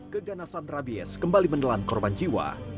keganasan rabies kembali menelan korban jiwa